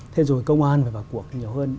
thế rồi công an phải vào cuộc nhiều hơn